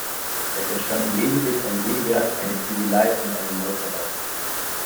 Es entstanden lediglich ein Sägewerk, eine Ziegelei und eine Molkerei.